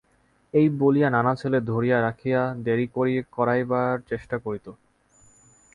এই বলিয়া নানা ছলে ধরিয়া রাখিয়া দেরি করাইবার চেষ্টা করিত।